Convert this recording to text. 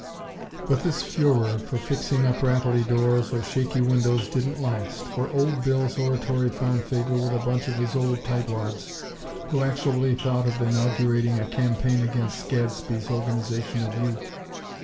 But this furor for fixing up rattly doors or shaky windows didn't last; for Old Bill's oratory found favor with a bunch of his old tight wads, who actually thought of inaugurating a campaign against Gadsby's Organization of Youth.